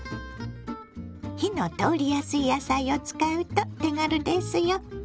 火の通りやすい野菜を使うと手軽ですよ。